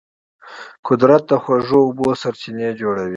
قدرت د خوږو اوبو سرچینې جوړوي.